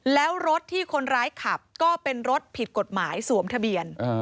แล้วรถที่คนร้ายขับก็เป็นรถผิดกฎหมายสวมทะเบียน